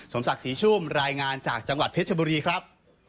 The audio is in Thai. สมศักดิ์ศรีชุ่มรายงานจากจังหวัดเพชรบุรีครับ